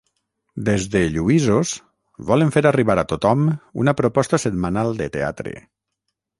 Des de Lluïsos volen fer arribar a tothom una proposta setmanal de teatre.